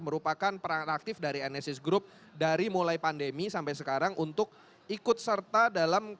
merupakan peran aktif dari enesis group dari mulai pandemi sampai sekarang untuk ikut serta dalam